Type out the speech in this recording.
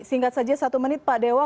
singkat saja satu menit pak dewa